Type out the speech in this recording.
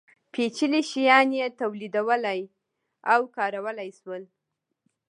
پېچلي شیان یې تولیدولی او کارولی شول.